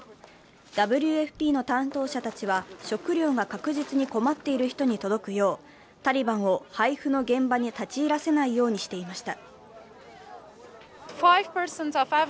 ＷＦＰの担当者たちは、食糧が確実に困っている人に届くようタリバンを配布の現場に立ち入らせないようにしていました。